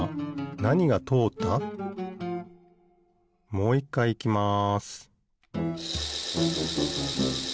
もういっかいいきます